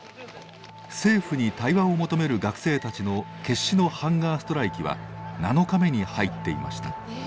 政府に対話を求める学生たちの決死のハンガーストライキは７日目に入っていました。